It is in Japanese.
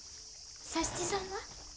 佐七さんは？